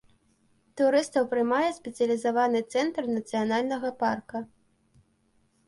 Турыстаў прымае спецыялізаваны цэнтр нацыянальнага парка.